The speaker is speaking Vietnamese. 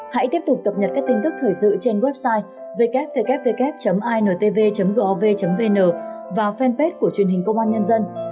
hãy tiếp tục cập nhật các tin tức thời sự trên website www intv gov vn và fanpage của truyền hình công an nhân dân